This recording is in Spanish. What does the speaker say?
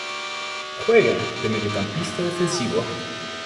Juega de mediocampista defensivo.